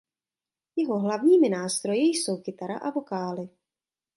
Jeho hlavními nástroji jsou kytara a vokály.